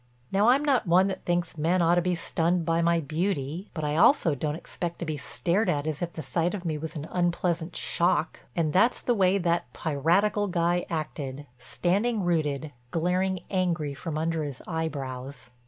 Now I'm not one that thinks men ought to be stunned by my beauty, but also I don't expect to be stared at as if the sight of me was an unpleasant shock. And that's the way that piratical guy acted, standing rooted, glaring angry from under his eyebrows.